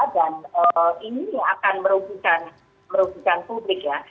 dan ini akan merugikan publik ya